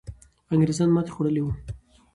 انګریزان ماتې خوړلې وو.